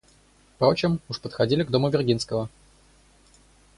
Впрочем, уж подходили к дому Виргинского.